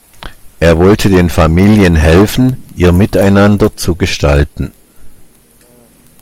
Er wollte den Familien helfen, ihr Miteinander zu gestalten.